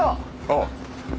ああ。